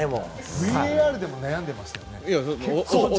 ＶＡＲでも悩んでましたよね。